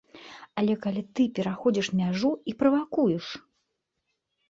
Але калі ты пераходзіш мяжу і правакуеш.